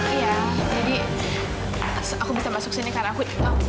iya jadi aku bisa masuk sini karena aku